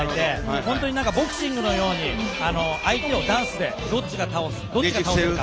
本当に、ボクシングのように相手をダンスでどっちが倒せるか。